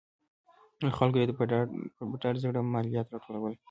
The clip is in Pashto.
له خلکو یې په ډاډه زړه مالیات راټولول.